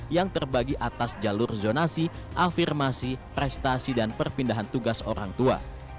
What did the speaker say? yang terbagi atas jalur zonasi afirmasi prestasi dan perpindahan tugas orang tua